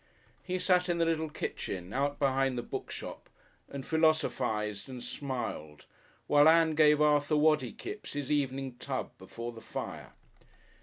He sat in the little kitchen out behind the bookshop and philosophised and smiled, while Ann gave Arthur Waddy Kipps his evening tub before the fire.